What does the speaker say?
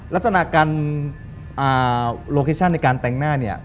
ลักษณะการโลเคชั่นในการแต่งหน้าเนี่ย